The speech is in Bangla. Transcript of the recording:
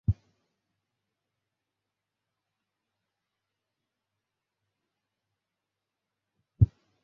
মস্তিষ্কহীন আহাম্মকগুলো কেন যে এই বাজে আজগুবিগুলো লেখে তা জানিও না, বুঝিও না।